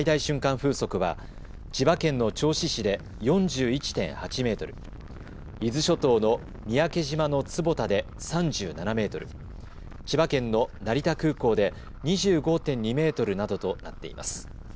風速は千葉県の銚子市で４１．８メートル、伊豆諸島の三宅島の坪田で３７メートル、千葉県の成田空港で２５．２メートルなどとなっています。